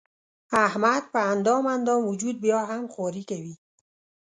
احمد په اندام اندام وجود بیا هم خواري کوي.